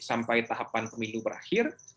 sampai tahapan pemilu berakhir